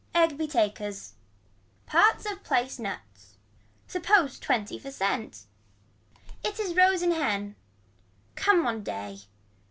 Egg be takers. Parts of place nuts. Suppose twenty for cent. It is rose in hen. Come one day.